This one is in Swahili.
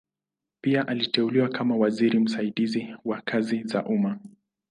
Pia aliteuliwa kama waziri msaidizi wa kazi za umma.